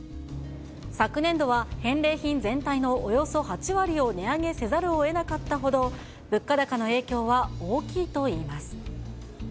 昨年度は、返礼品全体のおよそ８割を値上げせざるをえなかったほど、物価高の影響は大きいといいます。